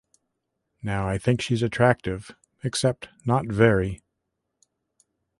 Now I think she's attractive, except not very.